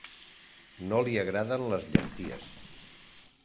No li agraden les llenties.